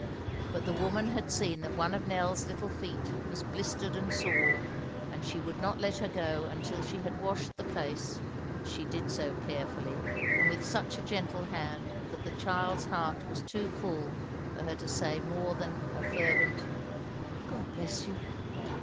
But the woman had seen that one of Nell's little feet was blistered and sore, and she would not let her go until she had washed the place, which she did so carefully and with such a gentle hand that the child's heart was too full for her to say more than a fervent "God bless you!"